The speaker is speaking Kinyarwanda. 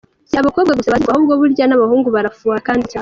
Si abakobwa gusa bazi gufuha ahubwo burya n’abahungu barafuha kandi cyane.